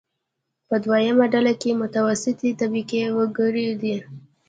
په دویمه ډله کې متوسطې طبقې وګړي دي.